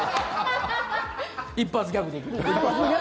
一発ギャグできる。